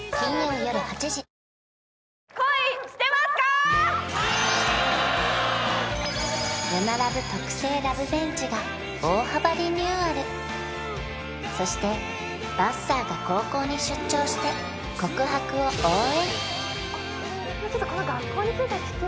夜なラブ特製ラブベンチが大幅リニューアルそしてばっさーが高校に出張して告白を応援！